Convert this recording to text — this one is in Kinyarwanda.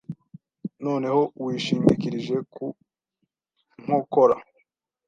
Noneho wishingikirije ku nkokora,